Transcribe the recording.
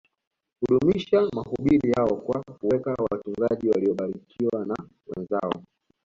kudumisha mahubiri hayo kwa kuweka wachungaji waliobarikiwa na wenzao